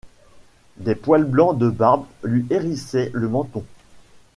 Des poils blancs de barbe lui hérissaient le menton.